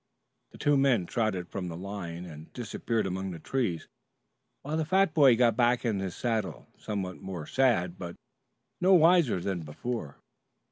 The two men trotted from the line and disappeared among the trees, while the fat boy got back in his saddle, somewhat more sad, but no wiser than before.